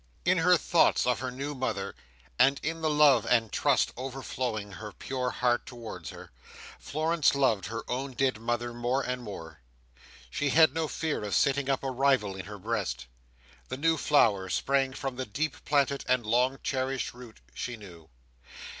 In her thoughts of her new mother, and in the love and trust overflowing her pure heart towards her, Florence loved her own dead mother more and more. She had no fear of setting up a rival in her breast. The new flower sprang from the deep planted and long cherished root, she knew.